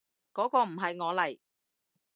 嗰個唔係我嚟